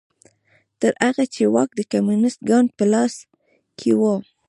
تر هغې چې واک د کمونېست ګوند په لاس کې و